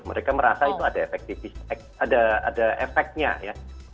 mereka merasa itu ada efeknya ya